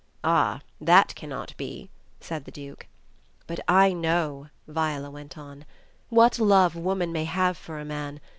"Ah ! that cannot be,'' said the Duke. "But I know," Viola went on, "what love woman may have for a man.